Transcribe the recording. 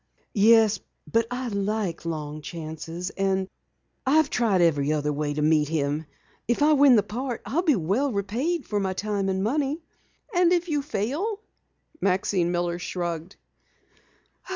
"Yes, but I like long chances. And I've tried every other way to meet him. If I win the part I'll be well repaid for my time and money." "And if you fail?" Maxine Miller shrugged.